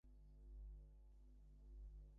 তোমার গাড়ি আছে?